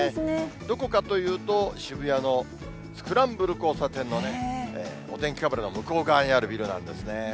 どこかというと、渋谷のスクランブル交差点のね、お天気カメラの向こう側にあるビルなんですね。